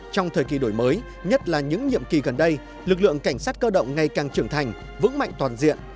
trong thời kỳ đổi mới nhất là những nhiệm kỳ gần đây lực lượng cảnh sát cơ động ngày càng trưởng thành vững mạnh toàn diện